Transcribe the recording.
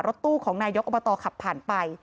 ตู้ของนายกอบตขับผ่านไป